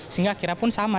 sehingga akhirnya pun sama